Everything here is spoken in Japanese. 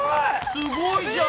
すごいじゃん！